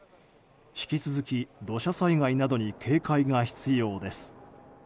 引き続き土砂災害などに警戒が必要です。